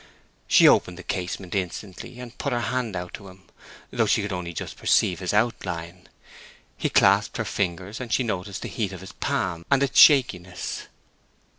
She opened the casement instantly, and put out her hand to him, though she could only just perceive his outline. He clasped her fingers, and she noticed the heat of his palm and its shakiness.